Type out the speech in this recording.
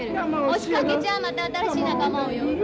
押しかけちゃあまた新しい仲間を呼ぶ。